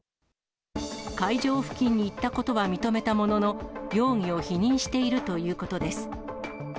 会場付近に行ったことは認めたものの、容疑を否認しているということです。